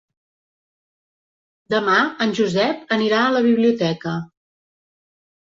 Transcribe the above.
Demà en Josep anirà a la biblioteca.